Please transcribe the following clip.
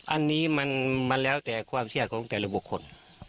อันนี้มันแล้วแต่ความเชื่อของแต่ละบุคคล